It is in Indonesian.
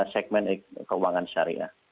segmen keuangan syariah